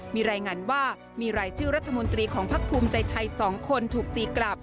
มีรายงานว่ามีรายชื่อรัฐมนตรีของพักภูมิใจไทย๒คนถูกตีกลับ